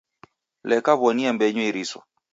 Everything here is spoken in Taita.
Leka wonia mmbenyu iriso